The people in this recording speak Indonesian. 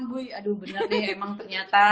aduh bener nih emang ternyata